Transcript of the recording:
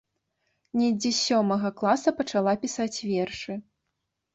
Недзе з сёмага класа пачала пісаць вершы.